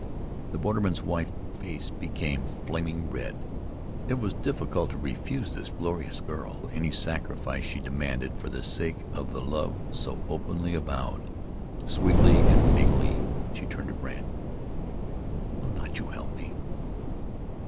The borderman's white face became flaming red. It was difficult to refuse this glorious girl any sacrifice she demanded for the sake of the love so openly avowed. Sweetly and pityingly she turned to Brandt: "Will not you help me?"